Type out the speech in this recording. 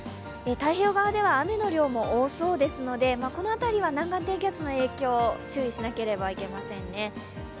太平洋側では雨の量も多そうですので、この辺りは南岸低気圧の影響注意しなければいけませんね。